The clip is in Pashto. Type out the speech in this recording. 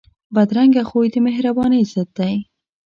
بدرنګه خوی د مهربانۍ ضد دی